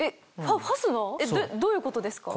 どういうことですか？